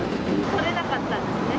撮れなかったですね。